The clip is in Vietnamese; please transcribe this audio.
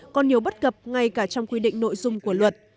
còn nhiều bất cập ngay cả trong quy định nội dung của luật